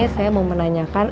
saya mau menanyakan